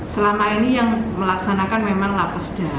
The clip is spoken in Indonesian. selama ini yang melaksanakan memang lapesda